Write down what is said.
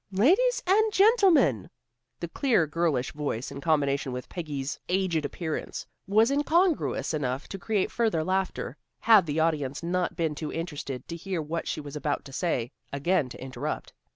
"Ladies and Gentlemen!" The clear, girlish voice, in combination with Peggy's aged appearance, was incongruous enough to create further laughter, had the audience not been too interested to hear what she was about to say, again to interrupt.